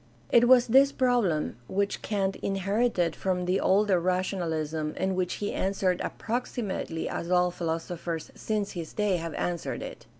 It was this problem which Kant inherited from the older rationalism, and which he answered approximately as all philosophers since his day have answered it.